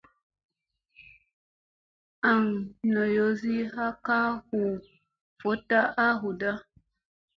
Aŋ noyozi ha ka huu vutta a hu da.